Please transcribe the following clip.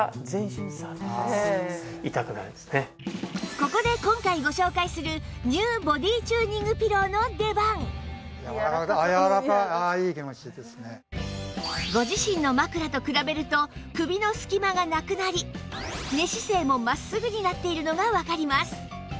ここで今回ご紹介するご自身の枕と比べると首の隙間がなくなり寝姿勢も真っすぐになっているのがわかります